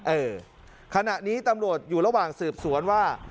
เออขณะนี้ตำรวจอยู่ระหว่างสืบสวนว่า